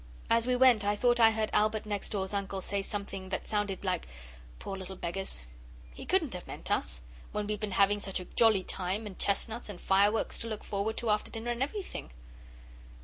As we went I thought I heard Albert next door's uncle say something that sounded like 'Poor little beggars!' He couldn't have meant us, when we'd been having such a jolly time, and chestnuts, and fireworks to look forward to after dinner and everything!